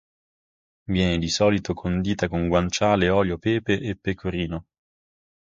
Viene di solito condita con guanciale, olio, pepe e pecorino.